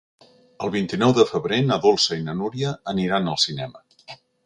El vint-i-nou de febrer na Dolça i na Núria aniran al cinema.